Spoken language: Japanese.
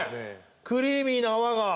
クリーミーな泡が！